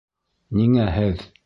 Ниңә һеҙ...